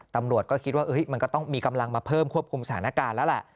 ตำรวจก็คิดว่ามันก็ต้องมีกำลังมาเพิ่มควบคุมสถานการณ์แล้วแหละ